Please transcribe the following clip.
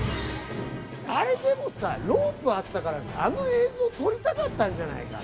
あれでもさロープあったからあの映像撮りたかったんじゃないかな？